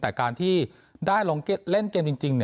แต่การที่ได้ลงเล่นเกมจริง